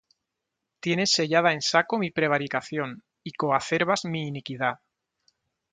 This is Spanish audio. Tienes sellada en saco mi prevaricación, Y coacervas mi iniquidad.